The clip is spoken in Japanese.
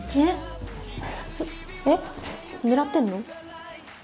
えっ狙ってんの？